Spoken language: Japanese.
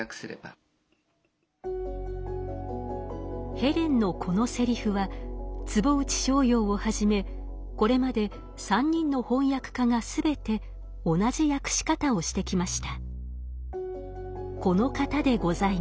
ヘレンのこのセリフは坪内逍遥をはじめこれまで３人の翻訳家が全て同じ訳し方をしてきました。